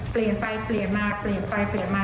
เปลี่ยนไปเปลี่ยนมาเปลี่ยนไปเปลี่ยนมา